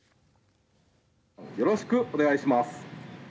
よろしくお願いします。